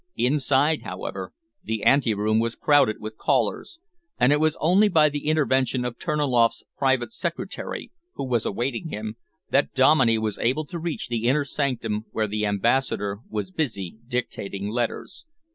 Inside, however, the anteroom was crowded with callers, and it was only by the intervention of Terniloff's private secretary, who was awaiting him, that Dominey was able to reach the inner sanctum where the Ambassador was busy dictating letters.